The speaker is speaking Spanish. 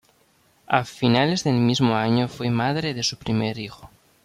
A fines del mismo año fue madre de su primer hijo.